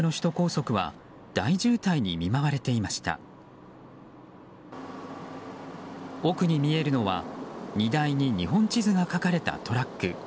奥に見えるのは、荷台に日本地図が描かれたトラック。